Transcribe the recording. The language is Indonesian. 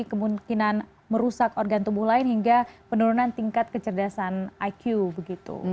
kemungkinan merusak organ tubuh lain hingga penurunan tingkat kecerdasan iq begitu